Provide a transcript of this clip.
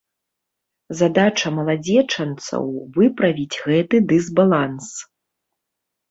Задача маладзечанцаў выправіць гэты дысбаланс.